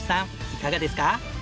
いかがですか？